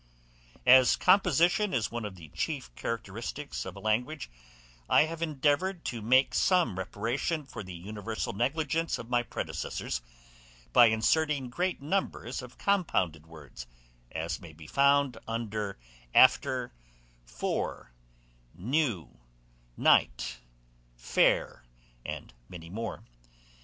As composition is one of the chief characteristicks of a language, I have endeavoured to make some reparation for the universal negligence of my predecessors, by inserting great numbers of compounded words, as may be found under after, fore, new, night, fair, and many more.